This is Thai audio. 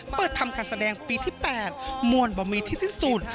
เปิดทำการแสดงปีที่๘มวลบ่มีที่สิ้นสุด